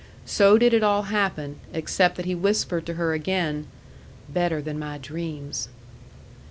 So did it all happen, except that he whispered to her again: "Better than my dreams."